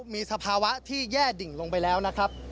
มีสภาวะที่แย่ดิ่งลงไปแล้วนะครับ